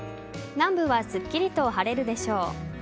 南部はすっきりと晴れるでしょう。